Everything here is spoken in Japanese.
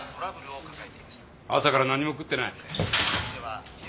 朝から何も食ってない東！